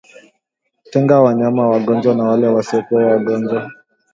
Tenga wanyama wagonjwa na wale wasiokuwa wagonjwa